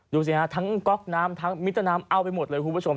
ดูสิฮะทั้งก๊อกน้ำทั้งมิตรน้ำเอาไปหมดเลยคุณผู้ชม